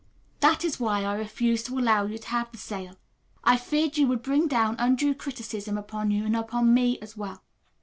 That is why I refused to allow you to have the sale. I feared you would bring down undue criticism upon you, and upon me as well.